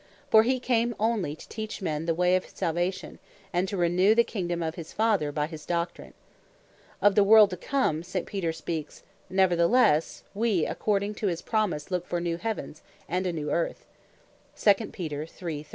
For he came onely to teach men the way of Salvation, and to renew the Kingdome of his Father, by his doctrine. Of the World to come, St. Peter speaks, (2 Pet. 3. 13.) "Neverthelesse we according to his promise look for new Heavens, and a new Earth."